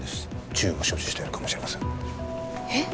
銃を所持しているかもしれませんえっ？